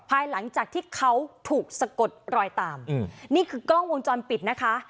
ภายหลังจากที่เขาถูกสะกดรอยตามนี่คือกล้องวงจรปิดนะคะ